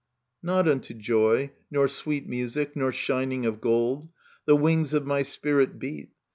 Not unto joy, nor sweet Music, nor shining of gold. The wings of my spirit beat.